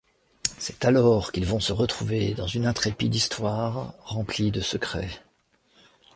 C'est alors qu'ils vont se retrouver dans une intrépide histoire, remplie de secrets.